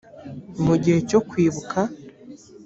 mu gihe cyo kwibuka